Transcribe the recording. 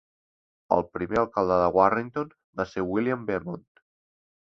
El primer alcalde de Warrington va ser William Beamont.